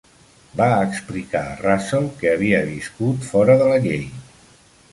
Va explicar a Russell que havia viscut fora de la llei.